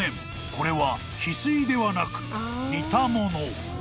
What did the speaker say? これは翡翠ではなく似たもの］